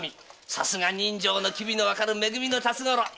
さすが人情の機微のわかる「め組」の辰五郎！